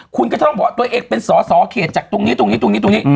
คุณก็ต้องบอกตัวเองเป็นสอสอเขตจากตรงนี้ตรงนี้ตรงนี้ตรงนี้